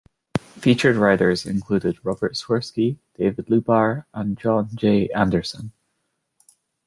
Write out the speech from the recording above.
Featured writers included Robert Swirsky, David Lubar, and John J. Anderson.